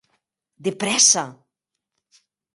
De prèssa!